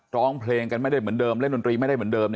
ร้องเพลงกันไม่ได้เหมือนเดิมเล่นดนตรีไม่ได้เหมือนเดิม